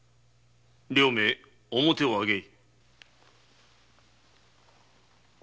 両名面を上げい。